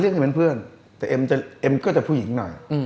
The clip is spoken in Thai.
ซึ่งเป็นเพื่อนแต่เอ็มก็จะผู้หญิงหน่อย